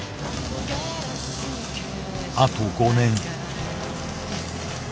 あと５年。